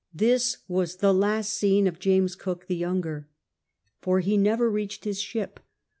This was the last seen of James Cook, the younger. For he never reached his ship.